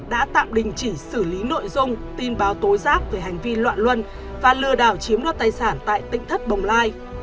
đã tạm đình chỉ xử lý nội dung tin báo tối giác về hành vi loạn luân và lừa đảo chiếm đất tài sản tại tịnh thất bồng lai